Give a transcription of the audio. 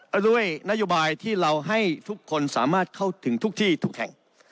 แล้วด้วยนโยบายที่เราให้ทุกคนสามารถเข้าถึงทุกที่ทุกแห่ง